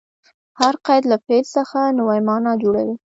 هر قید له فعل څخه نوې مانا جوړوي.